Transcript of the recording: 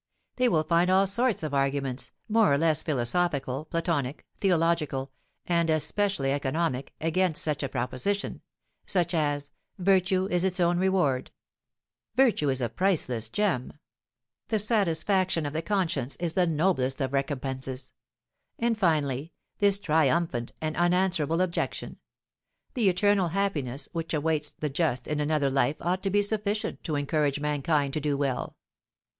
They will find all sorts of arguments, more or less philosophical, platonic, theological, and especially economic, against such a proposition; such as, "Virtue is its own reward;" "Virtue is a priceless gem;" "The satisfaction of the conscience is the noblest of recompenses;" and, finally, this triumphant and unanswerable objection, "The eternal happiness which awaits the just in another life ought to be sufficient to encourage mankind to do well."